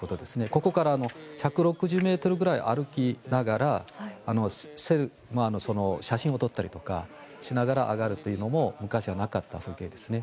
ここから１６０ｍぐらい歩きながら写真を撮ったりとかしながら上がるというのも昔はなかった風景ですね。